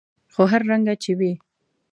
خو هر رنګه چې وي.